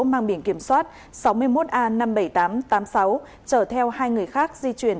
mang biển kiểm soát sáu mươi một a năm mươi bảy nghìn tám trăm tám mươi sáu chở theo hai người khác di chuyển